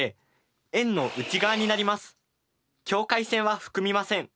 境界線は含みません。